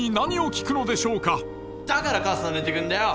だから母さん出てくんだよ！